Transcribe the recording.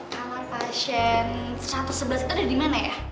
kamar pasien satu ratus sebelas itu ada dimana ya